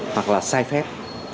hoặc là sai phép